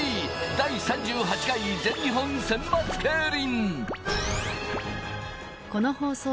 第３８回全日本選抜競輪。